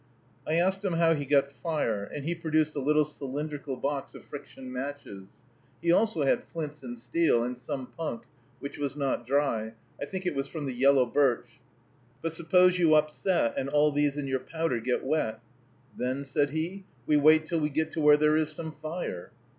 I asked him how he got fire; and he produced a little cylindrical box of friction matches. He also had flints and steel, and some punk, which was not dry; I think it was from the yellow birch. "But suppose you upset, and all these and your powder get wet." "Then," said he, "we wait till we get to where there is some fire."